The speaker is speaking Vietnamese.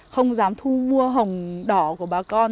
không dám thu mua hồng đỏ của bà con